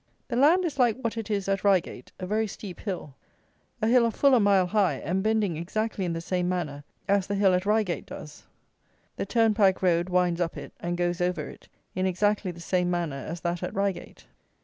The land is like what it is at Reigate, a very steep hill; a hill of full a mile high, and bending exactly in the same manner as the hill at Reigate does. The turnpike road winds up it and goes over it in exactly the same manner as that at Reigate.